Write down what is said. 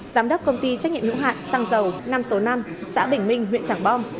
giám đốc công ty trách nhiệm hữu hạn xăng dầu năm số năm xã bình minh huyện trảng bom